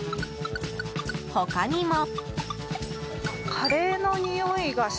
他にも。